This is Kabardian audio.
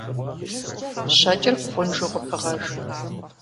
Щэкӏыр бгъунжу къыпыгъэж.